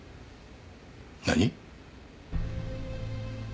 何？